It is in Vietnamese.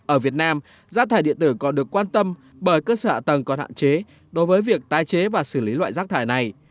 ở việt nam rác thải điện tử còn được quan tâm bởi cơ sở tầng còn hạn chế đối với việc tái chế và xử lý loại rác thải này